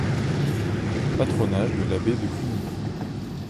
Patronage de l'abbé de Cluny.